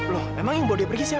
loh emang yang bawa dia pergi siapa